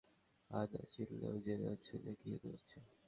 আর না চিনলেও, জেনে যাচ্ছে যে, কী হতে যাচ্ছে!